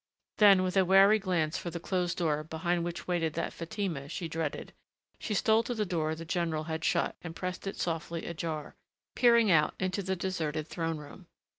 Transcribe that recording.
Then, with a wary glance for the closed door behind which waited that Fatima she dreaded, she stole to the door the general had shut and pressed it softly ajar, peering out into the deserted throne room.